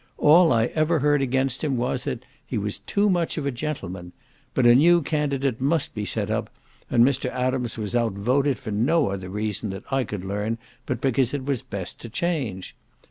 All I ever heard against him was, that "he was too much of a gentleman;" but a new candidate must be set up, and Mr. Adams was out voted for no other reason, that I could learn, but because it was "best to change."